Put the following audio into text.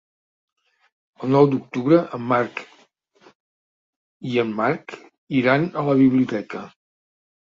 El nou d'octubre en Marc i en Marc iran a la biblioteca.